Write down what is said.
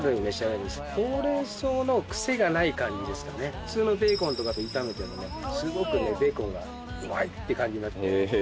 普通のベーコンとかと炒めてもすごくベーコンがうまいって感じ。